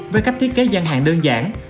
với cách thiết kế gian hàng đơn giản